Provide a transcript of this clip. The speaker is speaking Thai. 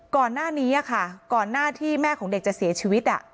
ก่อนหน้านี้ค่ะก่อนหน้าที่แม่ของเด็กจะเสียชีวิต